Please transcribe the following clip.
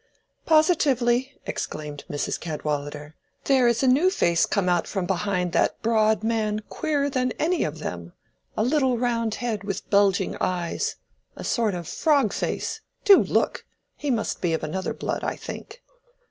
"Positively," exclaimed Mrs. Cadwallader, "there is a new face come out from behind that broad man queerer than any of them: a little round head with bulging eyes—a sort of frog face—do look. He must be of another blood, I think."